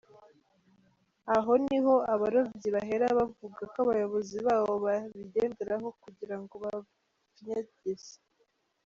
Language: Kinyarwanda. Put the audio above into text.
Aho ni ho abarobyi bahera babvuga ko abayobozi bawo babigenderaho kugira ngo babapfyinagaze.